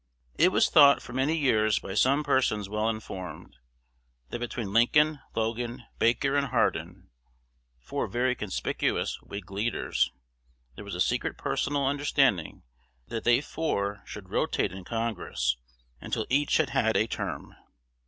It was thought for many years by some persons well informed, that between Lincoln, Logan, Baker, and Hardin, four very conspicuous Whig leaders, there was a secret personal understanding that they four should "rotate" in Congress until each had had a term.